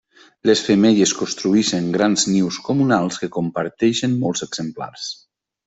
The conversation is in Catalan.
Les femelles construeixen grans nius comunals que comparteixen molts exemplars.